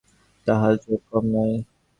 তেইশ বছরের বাজা মেয়ে, গায়ে তাহার জোর কম নয়।